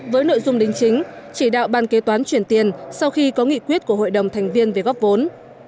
với nội dung đính chính chỉ đạo ban kế toán chuyển tiền sau khi có nghị quyết của hội đồng thành viên về góp vốn